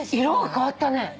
色が変わったね。